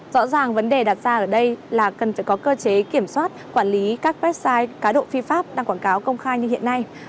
rõ ràng vấn đề đặt ra ở đây là cần phải có cơ chế kiểm soát quản lý các website cá độ phi pháp đăng quảng cáo công khai như hiện nay